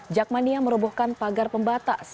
jakmania merubuhkan pagar pembatas